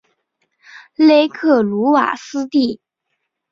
勒克鲁瓦斯蒂。